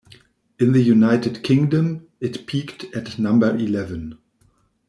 In the United Kingdom, it peaked at number eleven.